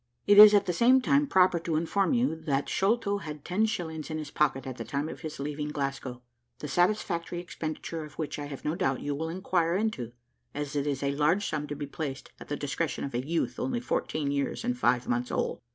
"It is at the same time proper to inform you that Sholto had ten shillings in his pocket at the time of his leaving Glasgow; the satisfactory expenditure of which I have no doubt you will inquire into, as it is a large sum to be placed at the discretion of a youth only fourteen years and five months old.